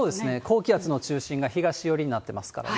高気圧の中心が東寄りになってますからね。